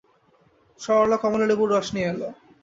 সরলা কমলালেবুর রস নিয়ে এল।